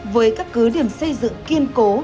với các cứ điểm xây dựng kiên cố